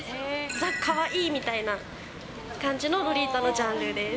ザ・カワイイみたいな感じのロリータのジャンルです。